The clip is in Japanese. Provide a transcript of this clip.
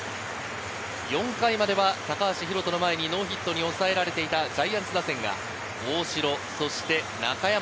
４回までは高橋宏斗の前にノーヒットに抑えられていたジャイアンツ打線が大城、そして中山